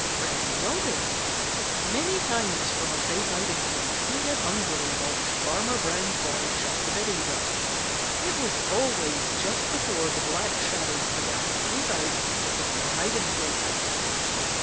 Reddy nodded. Many times from a safe hiding place he had hungrily watched Farmer Brown's boy shut the biddies up. It was always just before the Black Shadows began to creep out from their hiding places.